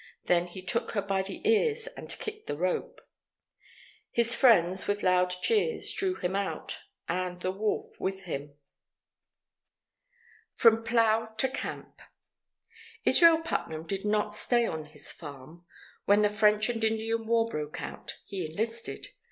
Then he took her by the ears and kicked the rope. His friends, with loud cheers, drew him out, and the wolf with him. FROM PLOUGH TO CAMP Israel Putnam did not stay on his farm. When the French and Indian War broke out, he enlisted.